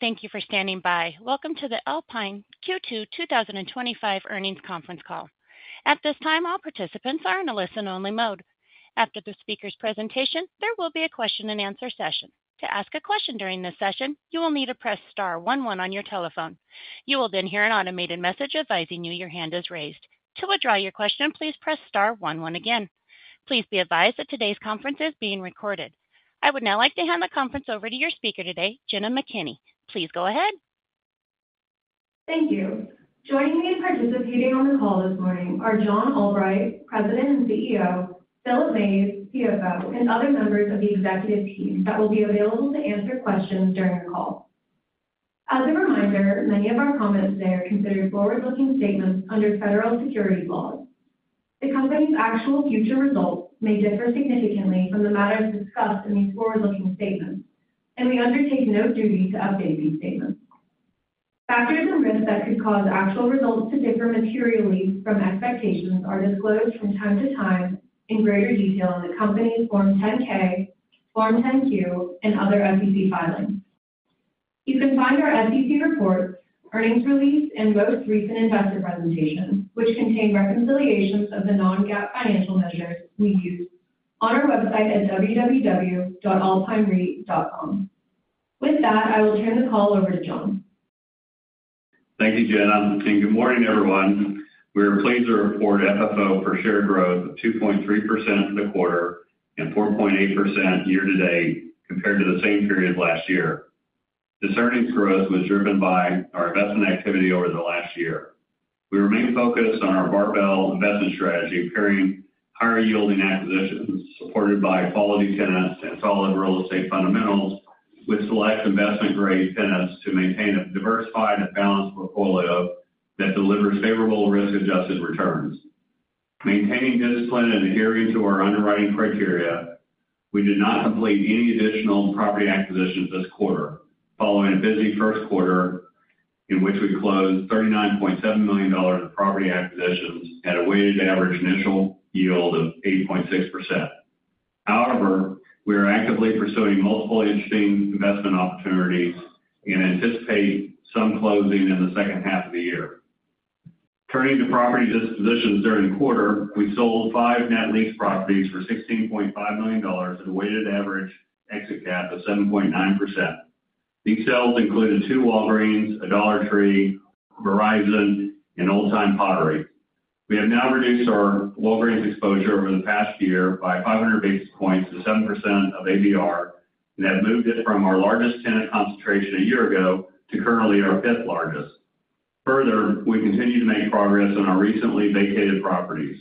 Thank you for standing by. Welcome to the Alpine Q2 2025 earnings conference call. At this time, all participants are in a listen-only mode. After the speaker's presentation, there will be a question and answer session. To ask a question during this session, you will need to press star one-one on your telephone. You will then hear an automated message advising you your hand is raised. To withdraw your question, please press star one-one again. Please be advised that today's conference is being recorded. I would now like to hand the conference over to your speaker today, Jenna McKinney. Please go ahead. Thank you. Joining me in participating on the call this morning are John Albright, President and CEO, Philip Mays, CFO, and other members of the executive team that will be available to answer questions during the call. As a reminder, many of our comments today are considered forward-looking statements under Federal Securities Law. The company's actual future results may differ significantly from the matters discussed in these forward-looking statements, and we undertake no duty to update these statements. Factors and risks that could cause actual results to differ materially from expectations are disclosed from time to time in greater detail in the company's Form 10-K, Form 10-Q, and other SEC filings. You can find our SEC report, earnings release, and most recent investor presentation, which contain reconciliations of the non-GAAP financial measure we use, on our website at www.alpinere.com. With that, I will turn the call over to John. Thank you, Jenna. And good morning, everyone. We are pleased to report FFO per share growth of 2.3% in the quarter and 4.8% year-to-date compared to the same period last year. This earnings growth was driven by our investment activity over the last year. We remain focused on our Barbell investment strategy, pairing higher yielding acquisitions supported by quality tenants and solid real estate fundamentals with select investment-grade tenants to maintain a diversified and balanced portfolio that delivers favorable risk-adjusted returns. Maintaining discipline and adhering to our underwriting criteria, we did not complete any additional property acquisitions this quarter following a busy first quarter in which we closed $39.7 million in property acquisitions at a weighted average initial yield of 8.6%. However, we are actively pursuing multiple interesting investment opportunities and anticipate some closing in the second half of the year. Turning to property dispositions during the quarter, we sold five net lease properties for $16.5 million at a weighted average exit cap of 7.9%. These sales included two Walgreens, a Dollar Tree, Verizon, and Old Time Pottery. We have now reduced our Walgreens exposure over the past year by 500 basis points to 7% of ABR, and have moved it from our largest tenant concentration a year ago to currently our fifth largest. Further, we continue to make progress on our recently vacated properties.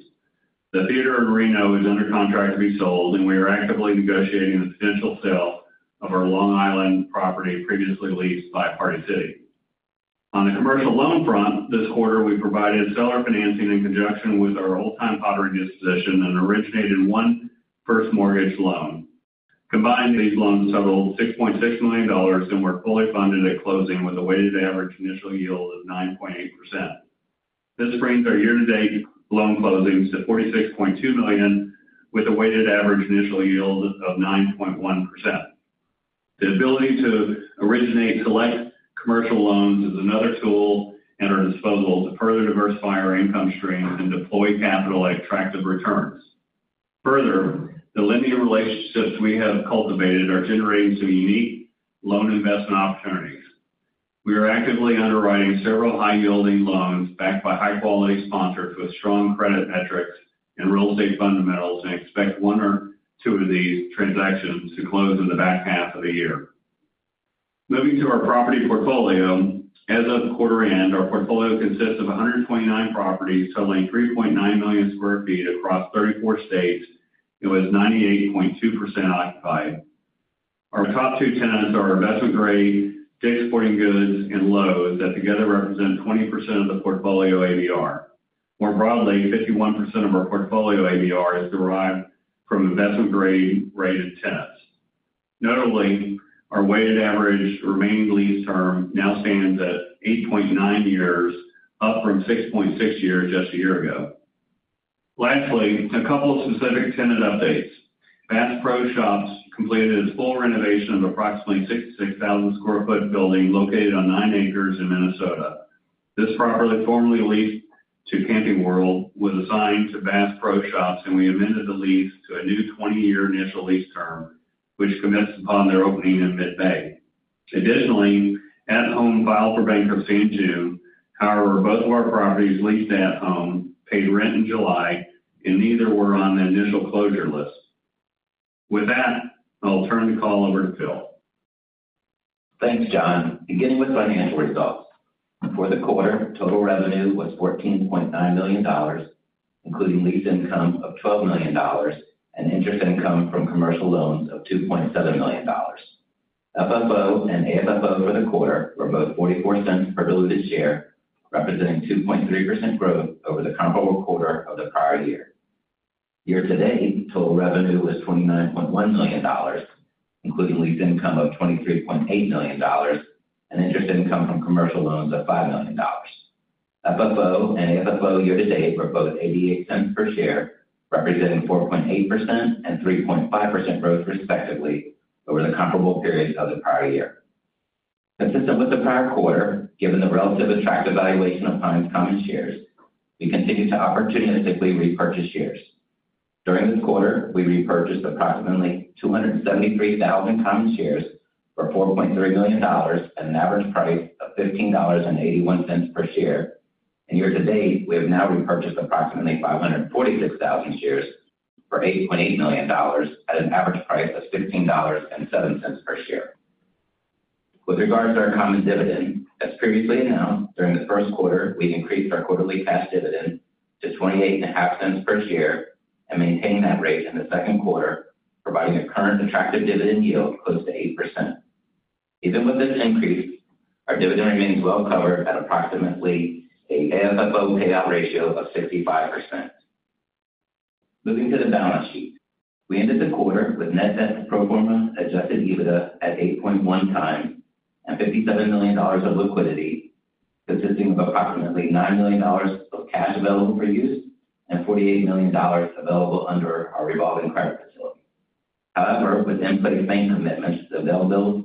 The Theater in Reno is under contract to be sold, and we are actively negotiating the potential sale of our Long Island property previously leased by Party City. On the commercial loan front, this quarter we provided seller financing in conjunction with our Old Time Pottery disposition and originated one first mortgage loan. Combined, these loans total $6.6 million and were fully funded at closing with a weighted average initial yield of 9.8%. This brings our year-to-date loan closings to $46.2 million with a weighted average initial yield of 9.1%. The ability to originate select commercial loans is another tool at our disposal to further diversify our income stream and deploy capital at attractive returns. Further, the lending relationships we have cultivated are generating some unique loan investment opportunities. We are actively underwriting several high-yielding loans backed by high-quality sponsors with strong credit metrics and real estate fundamentals and expect one or two of these transactions to close in the back half of the year. Moving to our property portfolio, as of the quarter end, our portfolio consists of 129 properties selling 3.9 million sq ft across 34 states and with 98.2% occupied. Our top two tenants are investment-grade sporting goods and loans that together represent 20% of the portfolio ABR. More broadly, 51% of our portfolio ABR is derived from investment-grade rated tenants. Notably, our weighted average remaining lease term now stands at 8.9 years, up from 6.6 years just a year ago. Lastly, a couple of specific tenant updates. Bass Pro Shops completed its full renovation of approximately 66,000 sq ft building located on nine acres in Minnesota. This property formerly leased to Camping World was assigned to Bass Pro Shops, and we amended the lease to a new 20-year initial lease term, which commenced upon their opening in mid-May. Additionally, At Home filed for bankruptcy in June. However, both of our properties leased to At Home paid rent in July, and neither were on the initial closure list. With that, I'll turn the call over to Phil. Thanks, John. Beginning with financial results, for the quarter, total revenue was $14.9 million, including lease income of $12 million and interest income from commercial loans of $2.7 million. FFO and AFFO for the quarter were both $0.44 per diluted share, representing 2.3% growth over the comparable quarter of the prior year. Year-to-date total revenue was $29.1 million, including lease income of $23.8 million and interest income from commercial loans of $5 million. FFO and AFFO year-to-date were both $0.88 per share, representing 4.8% and 3.5% growth respectively over the comparable period of the prior year. Consistent with the prior quarter, given the relative attractive valuation of common shares, we continue to opportunistically repurchase shares. During this quarter, we repurchased approximately 273,000 common shares for $4.3 million at an average price of $15.81 per share, and year-to-date we have now repurchased approximately 546,000 shares for $8.8 million at an average price of $15.07 per share. With regards to our common dividend, as previously announced during the first quarter, we increased our quarterly cash dividend to $0.285 per share and maintained that rate in the second quarter, providing a current attractive dividend yield close to 8%. Even with this increase, our dividend remains well covered at approximately an FFO/AFFO ratio of 65%. Moving to the balance sheet, we ended the quarter with net debt to pro forma adjusted EBITDA at 8.1x and $57 million of liquidity, consisting of approximately $9 million cash available for use and $48 million available under our revolving credit facility. However, with input in paying commitments, the available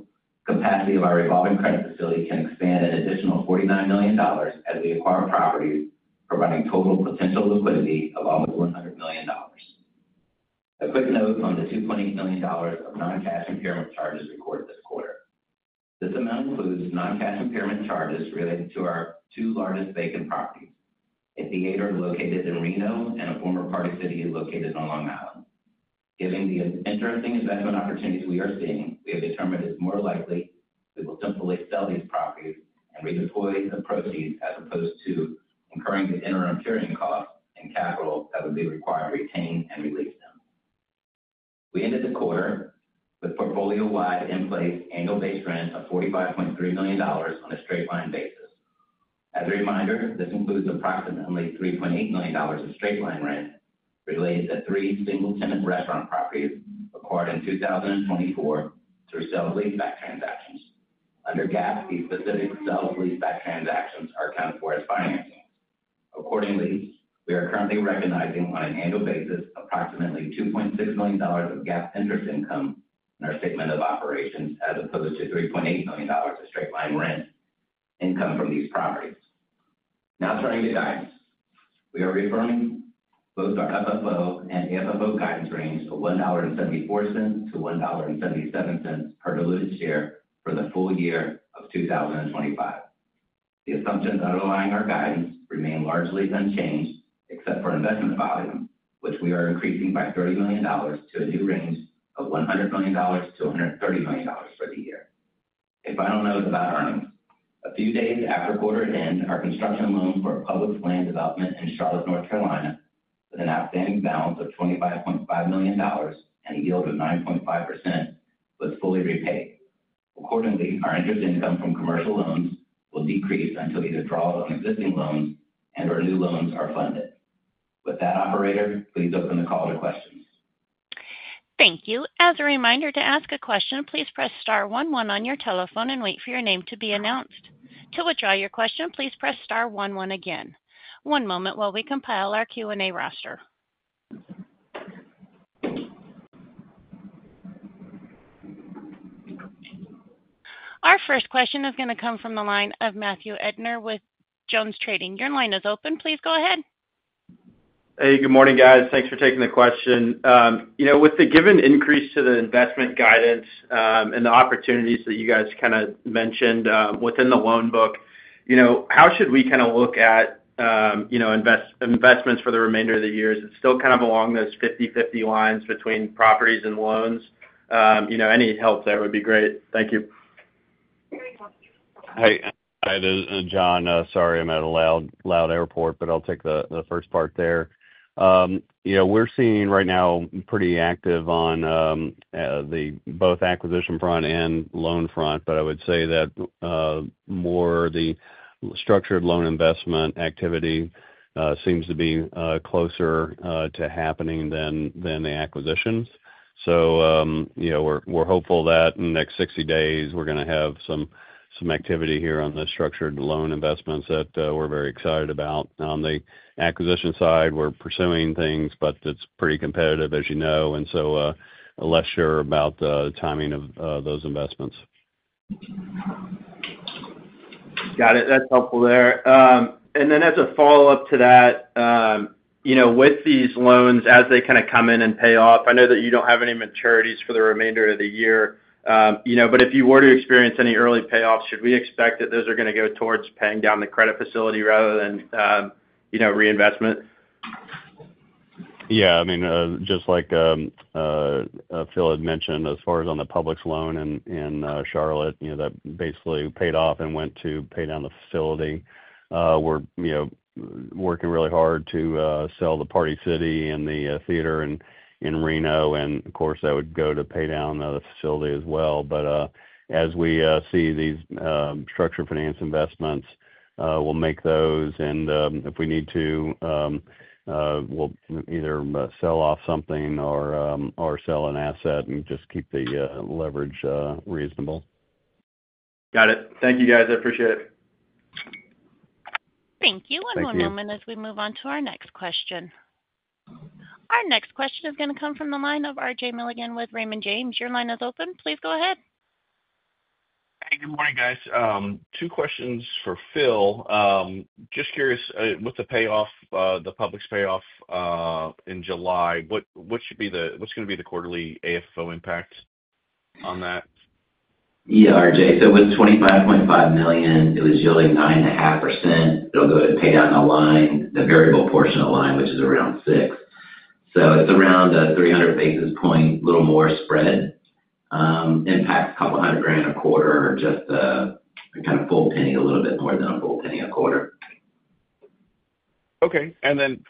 capacity of our revolving credit facility can expand an additional $49 million as we acquire properties, providing total potential liquidity of almost $100 million. A quick note on the $2.8 million of non-cash impairment charges reported this quarter. This amount includes non-cash impairment charges related to our two largest vacant properties, a theater located in Reno and a former Party City located on Long Island. Given the interesting investment opportunities we are seeing, we have determined it is more likely we will simply sell these properties and redeploy the proceeds as opposed to incurring the interim carrying cost and capital that would be required to retain and release them. We ended the quarter with portfolio-wide in-place annual base rent of $45.3 million on a straight-line basis. As a reminder, this includes approximately $3.8 million of straight-line rent related to three distinct legitimate restaurant properties acquired in 2024 through sale of leaseback transactions. Under GAAP, these specific sale of leaseback transactions are accounted for as financing. Accordingly, we are currently recognizing on an annual basis approximately $2.6 million of GAAP interest income in our segment of operations, as opposed to $3.8 million of straight-line rent income from these properties. Now turning to guidance, we are reaffirming both our FFO and AFFO guidance range for $1.74-$1.77 per diluted share for the full year of 2025. The assumptions underlying our guidance remain largely unchanged except for investment volume, which we are increasing by $30 million to a new range of $100 million-$130 million for the year. A final note about earnings. A few days after quarter end, our construction loan for a Publix land development in Charlotte, North Carolina, with an outstanding balance of $25.5 million and a yield of 9.5%, was fully repaid. Accordingly, our interest income from commercial loans will decrease until the withdrawal of existing loans and/or new loans are funded. With that, operator, please open the call to questions. Thank you. As a reminder, to ask a question, please press star one one on your telephone and wait for your name to be announced. To withdraw your question, please press star one one again. One moment while we compile our Q&A roster. Our first question is going to come from the line of Matthew Erdner with JonesTrading. Your line is open. Please go ahead. Hey, good morning, guys. Thanks for taking the question. With the given increase to the investment guidance and the opportunities that you guys kind of mentioned within the loan book, how should we kind of look at investments for the remainder of the years? Is it still kind of along those 50/50 lines between properties and loans? Any help there would be great. Thank you. Hi, this is John. Sorry, I'm at a loud airport, but I'll take the first part there. We're seeing right now pretty active on both the acquisition front and loan front, but I would say that more of the structured loan investment activity seems to be closer to happening than the acquisitions. We're hopeful that in the next 60 days we're going to have some activity here on the structured loan investments that we're very excited about. On the acquisition side, we're pursuing things, but it's pretty competitive, as you know, and less sure about the timing of those investments. Got it. That's helpful there. As a follow-up to that, you know, with these loans, as they kind of come in and pay off, I know that you don't have any maturities for the remainder of the year, you know, but if you were to experience any early payoffs, should we expect that those are going to go towards paying down the credit facility rather than, you know, reinvestment? Yeah, I mean, just like Philip had mentioned, as far as on the Publix loan in Charlotte, you know, that basically paid off and went to pay down the facility. We're working really hard to sell the Party City and the Theater in Reno, and of course that would go to pay down the facility as well. As we see these structured loan investments, we'll make those, and if we need to, we'll either sell off something or sell an asset and just keep the leverage reasonable. Got it. Thank you, guys. I appreciate it. Thank you. One more moment as we move on to our next question. Our next question is going to come from the line of RJ Milligan with Raymond James. Your line is open. Please go ahead. Hey, good morning, guys. Two questions for Phil. Just curious, with the payoff, the Publix payoff in July, what should be the, what's going to be the quarterly AFO impact on that? Yeah, RJ, it was $25.5 million. It was yielding 9.5%. It'll go ahead and pay down the line, the variable portion of the line, which is around six. So it's around a 300 basis point, a little more spread. Impacts a couple hundred grand a quarter, or just the kind of full penny, a little bit more than a full penny a quarter. Okay.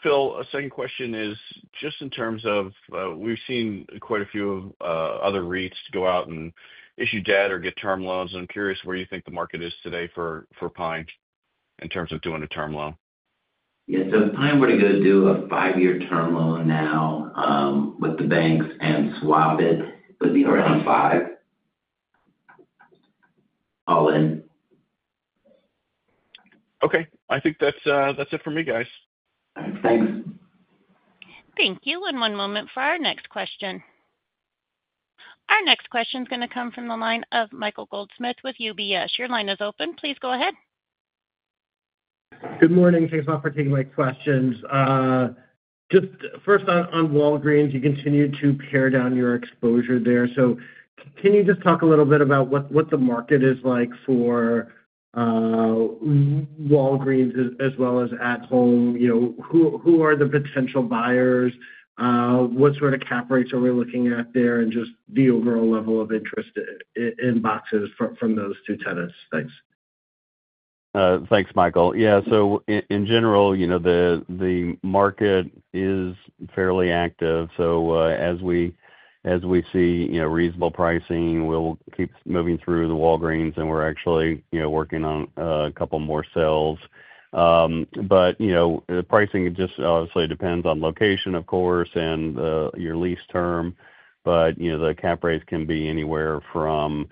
Phil, a second question is just in terms of we've seen quite a few other REITs go out and issue debt or get term loans. I'm curious where you think the market is today for PINE in terms of doing a term loan. Yeah, so PINE would go to do a five-year term loan now with the banks and swap it. It would be around 5%, all in. Okay. I think that's it for me, guys. Thank you. One moment for our next question. Our next question is going to come from the line of Michael Goldsmith with UBS. Your line is open. Please go ahead. Good morning. Thanks a lot for taking my questions. Just first on Walgreens, you continue to pare down your exposure there. Can you just talk a little bit about what the market is like for Walgreens as well as At Home? Who are the potential buyers? What sort of cap rates are we looking at there, and just the overall level of interest in boxes from those two tenants? Thanks. Thanks, Michael. Yeah, in general, the market is fairly active. As we see reasonable pricing, we'll keep moving through the Walgreens, and we're actually working on a couple more sales. The pricing just obviously depends on location, of course, and your lease term. The cap rates can be anywhere from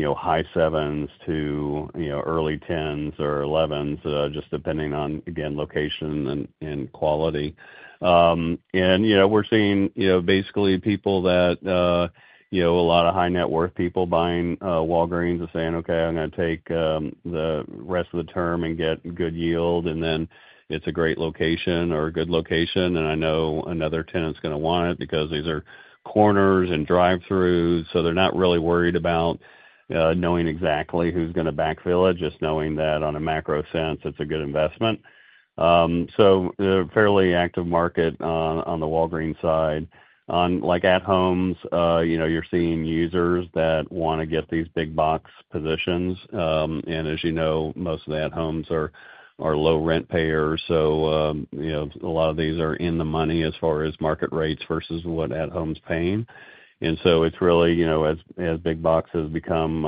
high sevens to early 10s or elevens, just depending on, again, location and quality. We're seeing basically people that, a lot of high net worth people buying Walgreens and saying, "Okay, I'm going to take the rest of the term and get good yield," and then it's a great location or a good location, and I know another tenant's going to want it because these are corners and drive-throughs, so they're not really worried about knowing exactly who's going to backfill it, just knowing that on a macro sense, it's a good investment. A fairly active market on the Walgreens side. On At Home, you're seeing users that want to get these big box positions. As you know, most of the At Home are low rent payers. A lot of these are in the money as far as market rates versus what At Home's paying. It's really, as big boxes become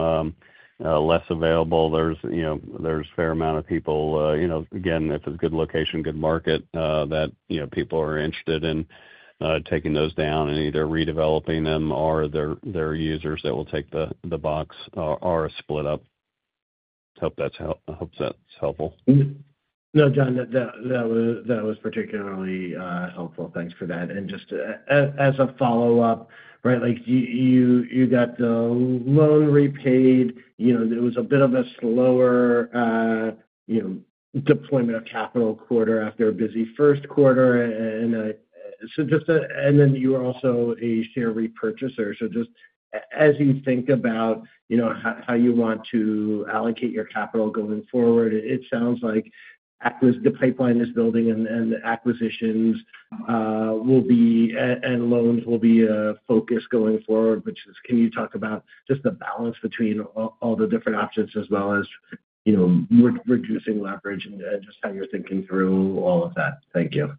less available, there's a fair amount of people, again, if it's a good location, good market, that people are interested in taking those down and either redeveloping them or they're users that will take the box or split up. I hope that's helpful. No, John, that was particularly helpful. Thanks for that. Just as a follow-up, you got the loan repaid. It was a bit of a slower deployment of capital quarter after a busy first quarter. You were also a share repurchaser. As you think about how you want to allocate your capital going forward, it sounds like the pipeline is building and the acquisitions and loans will be a focus going forward, which is, can you talk about the balance between all the different options as well as reducing leverage and how you're thinking through all of that? Thank you.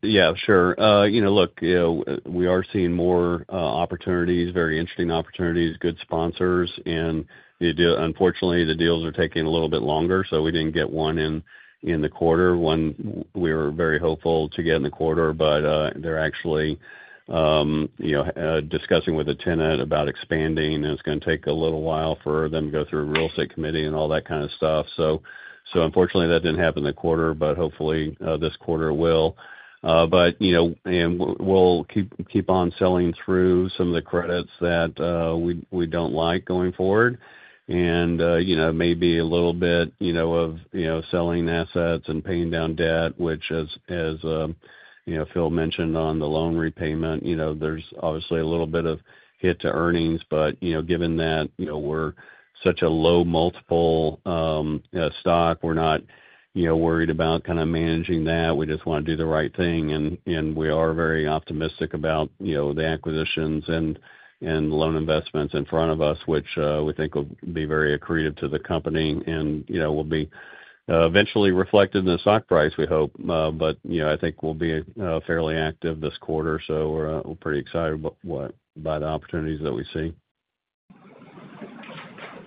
Yeah, sure. Look, we are seeing more opportunities, very interesting opportunities, good sponsors, and unfortunately, the deals are taking a little bit longer. We didn't get one in the quarter. One, we were very hopeful to get in the quarter, but they're actually discussing with a tenant about expanding, and it's going to take a little while for them to go through a real estate committee and all that kind of stuff. Unfortunately, that didn't happen in the quarter, but hopefully this quarter it will. We'll keep on selling through some of the credits that we don't like going forward. Maybe a little bit of selling assets and paying down debt, which, as Phil mentioned on the loan repayment, there's obviously a little bit of hit to earnings, but given that we're such a low multiple stock, we're not worried about kind of managing that. We just want to do the right thing. We are very optimistic about the acquisitions and loan investments in front of us, which we think will be very accretive to the company and will be eventually reflected in the stock price, we hope. I think we'll be fairly active this quarter. We're pretty excited about the opportunities that we see.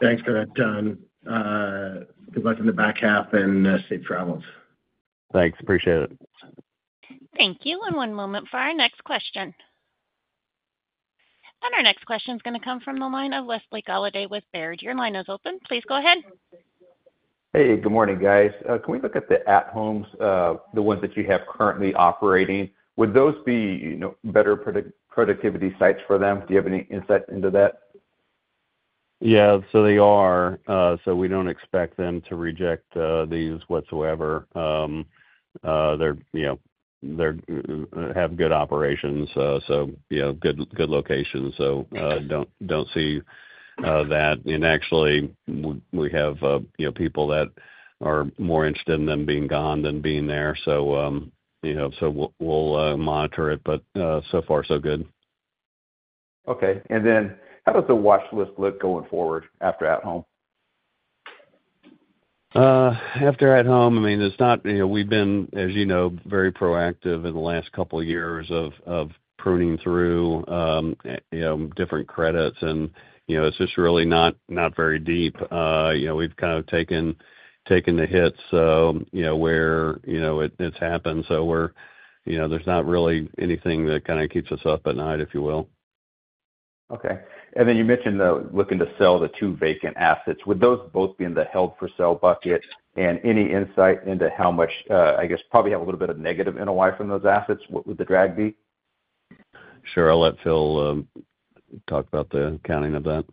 Thanks for that, John. Good luck in the back half and safe travels. Thanks. Appreciate it. Thank you. One moment for our next question. Our next question is going to come from the line of Wesley Golladay with Baird. Your line is open. Please go ahead. Hey, good morning, guys. Can we look at the At Home, the ones that you have currently operating? Would those be, you know, better productivity sites for them? Do you have any insight into that? Yeah, they are. We don't expect them to reject these whatsoever. They have good operations, good locations. We don't see that. Actually, we have people that are more interested in them being gone than being there. We'll monitor it, but so far, so good. Okay. How does the watch list look going forward after At Home? After At Home, it's not, you know, we've been, as you know, very proactive in the last couple of years of pruning through different credits. It's just really not very deep. We've kind of taken the hits where it's happened. There's not really anything that kind of keeps us up at night, if you will. Okay. You mentioned looking to sell the two vacant assets. Would those both be in the held-for-sale bucket? Any insight into how much, I guess, probably have a little bit of negative NOI from those assets? What would the drag be? Sure. I'll let Phil talk about the counting of that.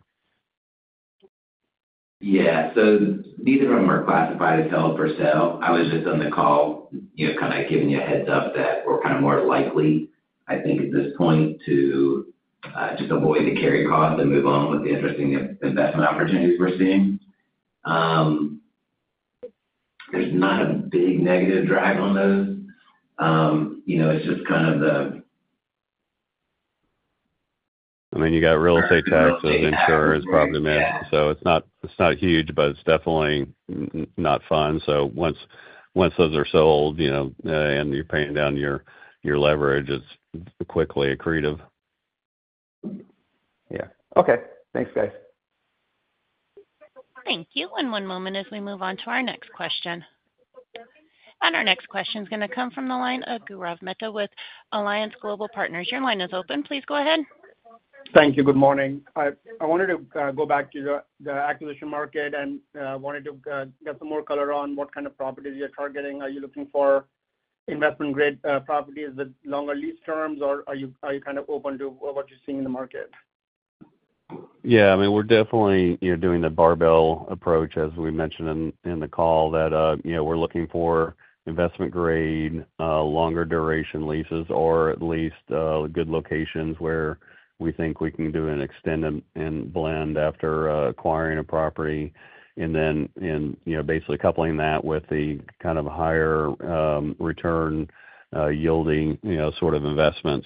Yeah. Neither of them are classified as held-for-sale. I was just on the call, kind of giving you a heads up that we're more likely, I think, at this point to just avoid the carry cost and move on with the interesting investment opportunities we're seeing. There's not a big negative drag on those. It's just kind of the. I mean, you got real estate taxes, insurance, property meds. It's not huge, but it's definitely not fun. Once those are sold, you know, and you're paying down your leverage, it's quickly accretive. Yeah, okay. Thanks, guys. Thank you. One moment as we move on to our next question. Our next question is going to come from the line of Gaurav Mehta with Alliance Global Partners. Your line is open. Please go ahead. Thank you. Good morning. I wanted to go back to the acquisition market and wanted to get some more color on what kind of properties you're targeting. Are you looking for investment-grade properties with longer lease terms, or are you kind of open to what you're seeing in the market? Yeah, I mean, we're definitely doing the Barbell approach, as we mentioned in the call, that we're looking for investment-grade, longer duration leases, or at least good locations where we think we can do an extend and blend after acquiring a property. Basically, coupling that with the kind of higher return yielding sort of investment,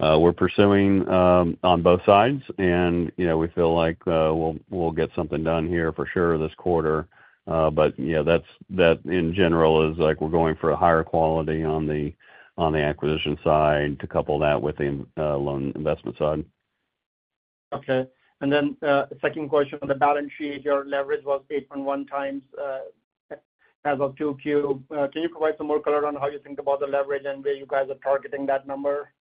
we're pursuing on both sides, and we feel like we'll get something done here for sure this quarter. That in general is like we're going for a higher quality on the acquisition side to couple that with the loan investment side. Okay. The second question on the balance sheet, your leverage was 8.1x as of 2Q. Can you provide some more color on how you think about the leverage and where you guys are targeting that number?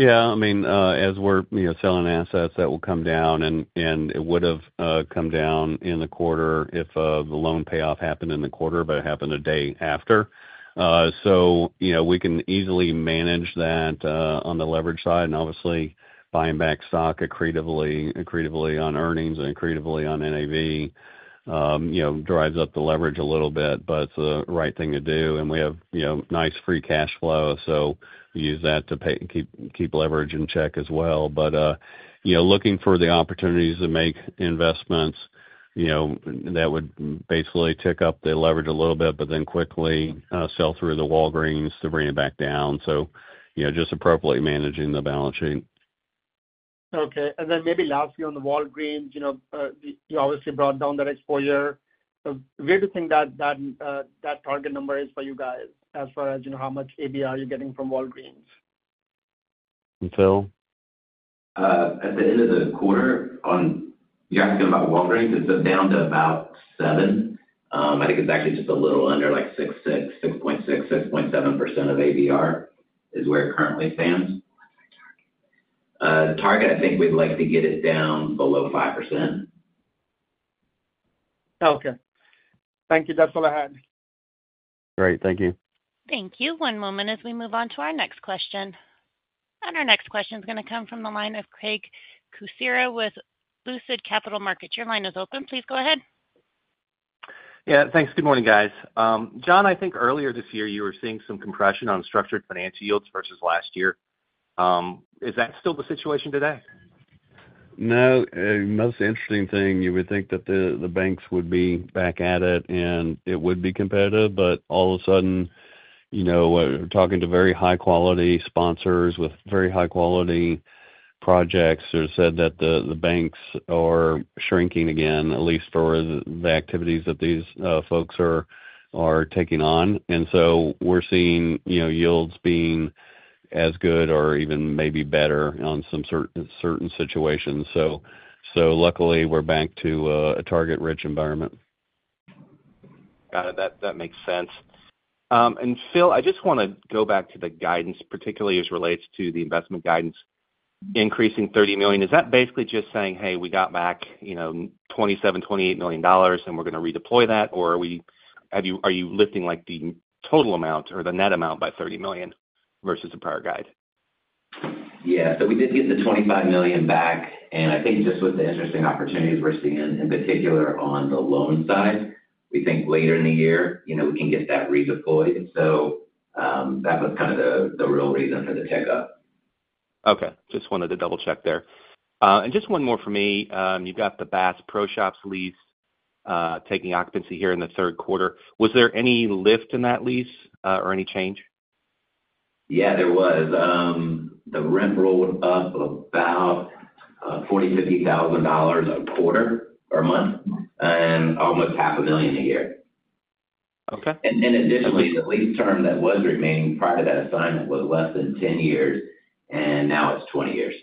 Yeah, I mean, as we're selling assets, that will come down, and it would have come down in the quarter if the loan payoff happened in the quarter, but it happened a day after. We can easily manage that on the leverage side. Obviously, buying back stock accretively, accretively on earnings and accretively on NAV, drives up the leverage a little bit, but it's the right thing to do. We have nice free cash flow, so we use that to keep leverage in check as well. Looking for the opportunities to make investments, that would basically tick up the leverage a little bit, but then quickly sell through the Walgreens to bring it back down. Just appropriately managing the balance sheet. Okay. Lastly, on the Walgreens, you obviously brought down that exposure. Where do you think that target number is for you guys as far as how much ABR you're getting from Walgreens? Phil, at the end of the quarter, you're asking about Walgreens? Down to about seven. I think it's actually just a little under, like 6.6%, 6.7%, 6.7% of ABR is where it currently stands. Target, I think we'd like to get it down below 5%. Okay, thank you. That's all I had. Great. Thank you. Thank you. One moment as we move on to our next question. Our next question is going to come from the line of Craig Kucera with Lucid Capital Markets. Your line is open. Please go ahead. Yeah, thanks. Good morning, guys. John, I think earlier this year you were seeing some compression on structured financial yields versus last year. Is that still the situation today? No. Most interesting thing, you would think that the banks would be back at it and it would be competitive, but all of a sudden, you know, talking to very high-quality sponsors with very high-quality projects, it's said that the banks are shrinking again, at least for the activities that these folks are taking on. We're seeing yields being as good or even maybe better in certain situations. Luckily, we're back to a target-rich environment. Got it. That makes sense. Phil, I just want to go back to the guidance, particularly as it relates to the investment guidance, increasing $30 million. Is that basically just saying, "Hey, we got back, you know, $27 million, $28 million, and we're going to redeploy that," or are you lifting the total amount or the net amount by $30 million versus the prior guide? Yeah, we did get the $25 million back, and I think it's just with the interesting opportunities we're seeing, in particular on the loan side. We think later in the year, you know, we can get that redeployed. That was kind of the real reason to the takeoff. Okay. Just wanted to double-check there. Just one more for me. You've got the Bass Pro Shops lease taking occupancy here in the third quarter. Was there any lift in that lease or any change? Yeah, there was. The rent rolled up about $40,000, $50,000 a quarter or month, and almost $500,000 a year. Okay. Additionally, the lease term that was remaining prior to that assignment was less than 10 years, and now it's 20 years.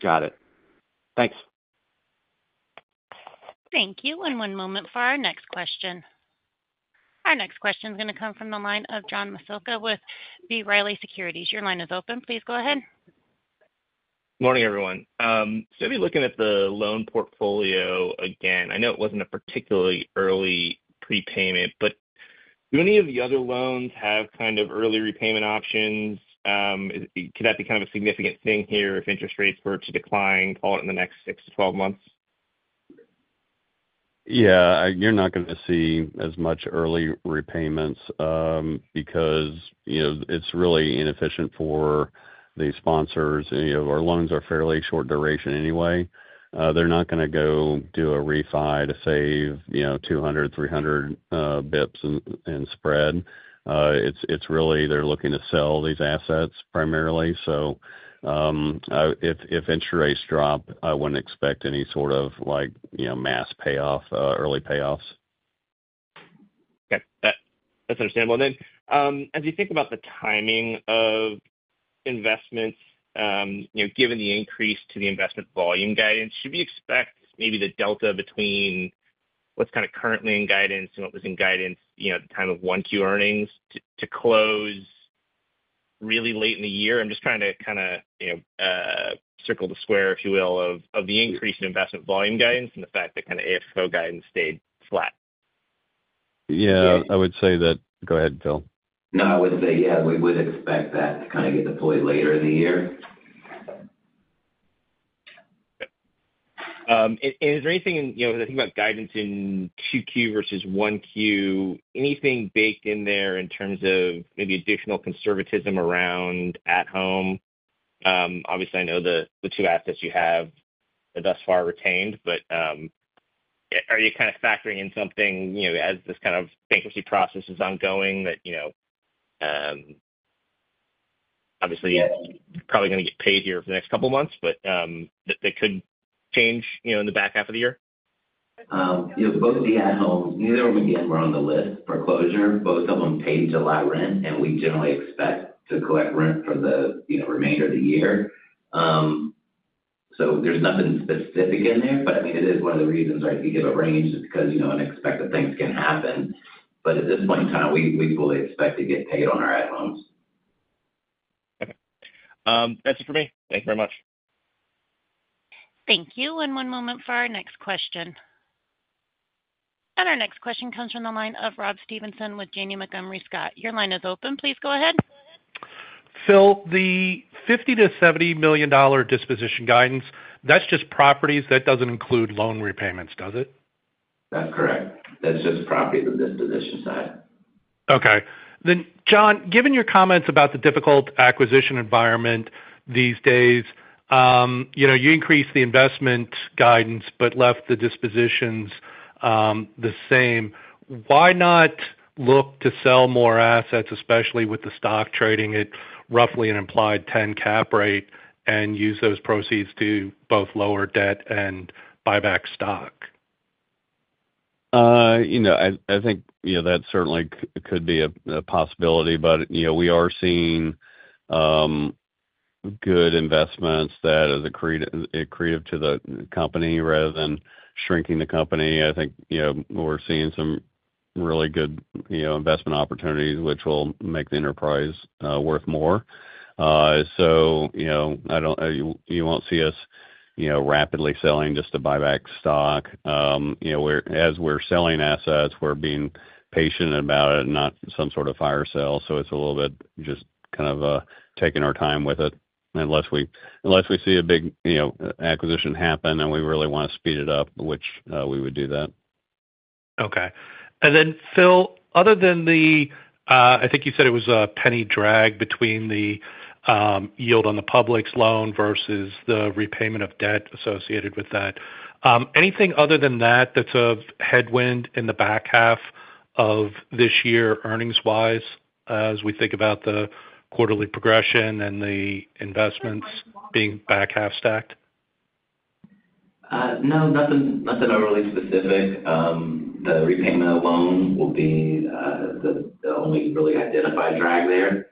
Got it. Thanks. Thank you. One moment for our next question. Our next question is going to come from the line of John Massocca with B. Riley Securities. Your line is open. Please go ahead. Morning, everyone. I'll be looking at the loan portfolio again. I know it wasn't a particularly early prepayment, but do any of the other loans have kind of early repayment options? Could that be kind of a significant thing here if interest rates were to decline in the next 6 to 12 months? Yeah, you're not going to see as much early repayments, because it's really inefficient for the sponsors. Our loans are fairly short duration anyway. They're not going to go do a refi to save 200 basis point, 300 basis point in spread. It's really they're looking to sell these assets primarily. If interest rates drop, I wouldn't expect any sort of mass payoff, early payoffs. Okay. That's understandable. As you think about the timing of investments, given the increase to the investment volume guidance, should we expect maybe the delta between what's currently in guidance and what was in guidance at the time of first quarter earnings to close really late in the year? I'm just trying to circle the square, if you will, of the increase in investment volume guidance and the fact that AFO guidance stayed flat. Yeah, I would say that. Go ahead, Philip. No, I would say yeah, we would expect that to kind of get deployed later in the year. Is there anything, you know, when I think about guidance in 2Q versus 1Q, anything baked in there in terms of maybe additional conservatism around At Home? Obviously, I know the two assets you have are thus far retained, but are you kind of factoring in something, you know, as this kind of bankruptcy process is ongoing that, you know, obviously, you're probably going to get paid here for the next couple of months, but that could change, you know, in the back half of the year? Yeah, both of the At Home, neither of them are on the list for closure. Both of them paid July rent, and we generally expect to collect rent for the, you know, remainder of the year. There's nothing specific in there, but I mean, it is one of the reasons, right, to give a range is because, you know, unexpected things can happen. At this point in time, we really expect to get paid on our At Homes. That's it for me. Thank you very much. Thank you. One moment for our next question. Our next question comes from the line of Rob Stevenson with Janney Montgomery Scott. Your line is open. Please go ahead. Phil, the $50 to $70 million disposition guidance, that's just properties, that doesn't include loan repayments, does it? That's correct. That's just properties on the disposition side. Okay. John, given your comments about the difficult acquisition environment these days, you increased the investment guidance but left the dispositions the same. Why not look to sell more assets, especially with the stock trading at roughly an implied 10% cap rate, and use those proceeds to both lower debt and buy back stock? I think that certainly could be a possibility, but we are seeing good investments that are accretive to the company rather than shrinking the company. I think we're seeing some really good investment opportunities, which will make the enterprise worth more. I don't think you will see us rapidly selling just to buy back stock. As we're selling assets, we're being patient about it, not some sort of fire sale. It's a little bit just kind of taking our time with it unless we see a big acquisition happen and we really want to speed it up, which we would do. Okay. Phil, other than the, I think you said it was a $0.01 drag between the yield on the Publix loan versus the repayment of debt associated with that, anything other than that that's a headwind in the back half of this year earnings-wise as we think about the quarterly progression and the investments being back half-stacked? No, nothing really specific. The repayment of loan will be the only really identified drag there.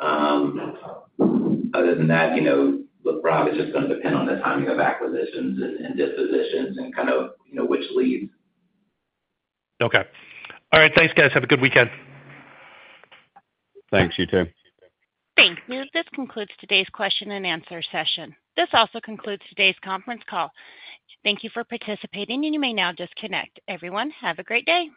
Other than that, with profit, it's just going to depend on the timing of acquisitions and dispositions. Okay. All right. Thanks, guys. Have a good weekend. Thanks. You too. Thank you. This concludes today's question and answer session. This also concludes today's conference call. Thank you for participating, and you may now disconnect. Everyone, have a great day.